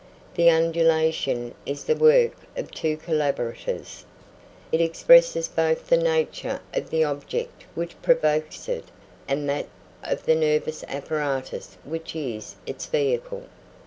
The undulation is the work of two collaborators: it expresses both the nature of the object which provokes it and that of the nervous apparatus which is its vehicle.